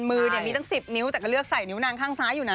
มือเนี่ยมีตั้ง๑๐นิ้วแต่ก็เลือกใส่นิ้วนางข้างซ้ายอยู่นะ